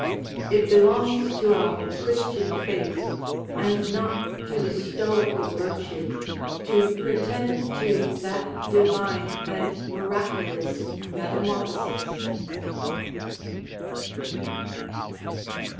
It belongs to our Christian faith, and not to the stoical virtue, to pretend to that divine and miraculous metamorphosis.